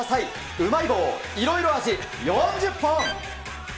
うまい棒いろいろ味４０本。